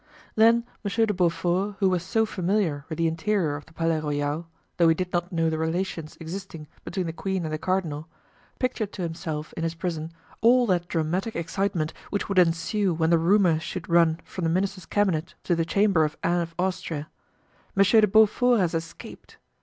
Then Monsieur de Beaufort, who was so familiar with the interior of the Palais Royal, though he did not know the relations existing between the queen and the cardinal, pictured to himself, in his prison, all that dramatic excitement which would ensue when the rumor should run from the minister's cabinet to the chamber of Anne of Austria: "Monsieur de Beaufort has escaped!"